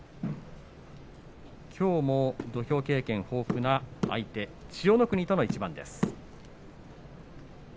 きょうも土俵経験豊富な相手千代の国との対戦です。